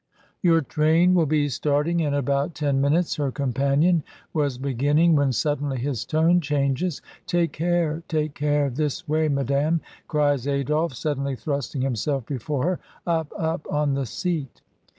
"Your train will be starting in about ten minutes," her companion was beginning, when suddenly his tone changes. "Take care! take care! this way, madame," cries Adolphe, suddenly thrusting himself before her. "Up! up! on the seat!"